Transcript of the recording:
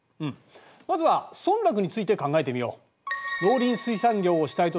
まずは村落について考えてみよう。